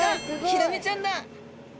ヒラメちゃんだ！